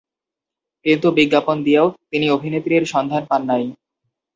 কিন্তু বিজ্ঞাপন দিয়েও তিনি অভিনেত্রীর সন্ধান পান নাই।